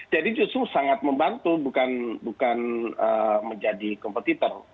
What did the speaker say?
jadi justru sangat membantu bukan menjadi kompetitor